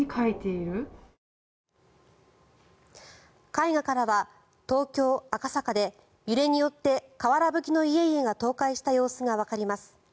絵画からは東京・赤坂で揺れによって瓦ぶきの家々が倒壊した様子がわかります。